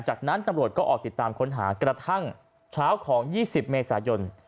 จากนั้นตำรวจก็ออกติดตามค้นหากระทั่งเช้าของ๒๐เมษายน